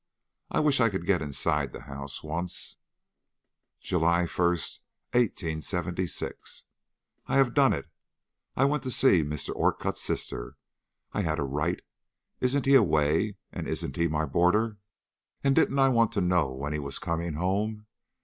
I wish I could get inside the house once." "JULY 1, 1876. I have done it. I went to see Mr. Orcutt's sister. I had a right. Isn't he away, and isn't he my boarder, and didn't I want to know when he was coming home?